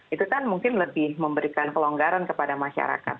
itu kan mungkin lebih memberikan kelonggaran kepada masyarakat